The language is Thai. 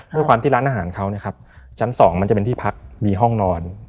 ด้วยความที่ร้านอาหารเขานะครับชั้น๒มันจะเป็นที่พักมีห้องนอน